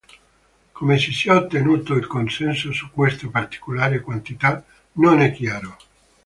Come si sia ottenuto il consenso su questa particolare quantità non è chiaro.